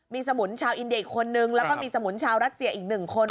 มีสมุนชาวอินเดียอีกคนนึงแล้วก็มีสมุนชาวรัสเซียอีก๑คน